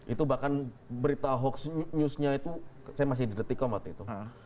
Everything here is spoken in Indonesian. itu bahkan berita hoax newsnya itu saya masih di detikom waktu itu